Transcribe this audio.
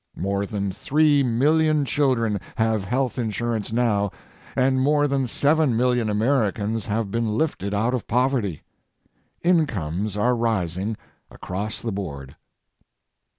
More than three million children have health insurance now and more than seven million Americans have been lifted out of poverty. Incomes are rising across the board.